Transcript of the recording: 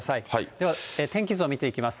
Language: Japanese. では、天気図を見ていきます。